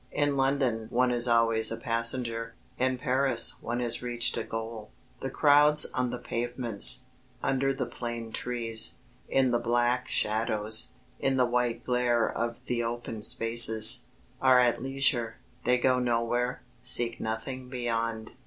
In London one is always a passenger, in Paris one has reached a goal. The crowds on the pavements, under the plane trees, in the black shadows, in the white glare of the open spaces, are at leisure they go nowhere, seek nothing beyond.